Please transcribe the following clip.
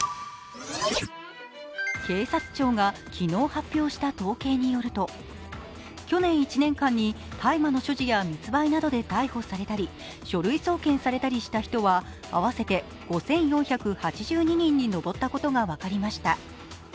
警察庁が昨日発表した統計によると、去年１年間に大麻の所持や密売などで逮捕されたり書類送検されたりした人は合わせて５４８２人に上ったことが分かりました。